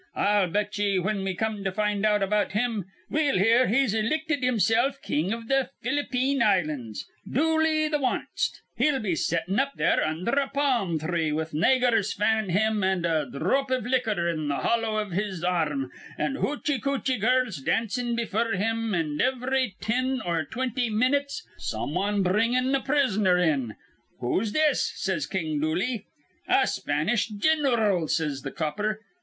I'll bet ye, whin we come to find out about him, we'll hear he's ilicted himself king iv th' F'lip ine Islands. Dooley th' Wanst. He'll be settin' up there undher a pa'm three with naygurs fannin' him an' a dhrop iv licker in th' hollow iv his ar rm, an' hootchy kootchy girls dancin' befure him, an' ivry tin or twinty minyits some wan bringin' a prisoner in. 'Who's this?' says King Dooley. 'A Spanish gin'ral,' says th' copper.